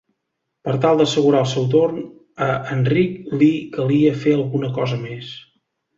Per tal d'assegurar el seu tron, a Enric li calia fer alguna cosa més.